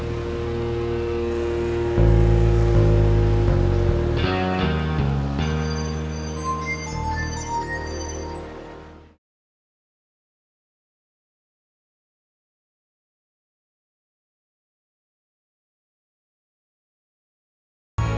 harus di tikar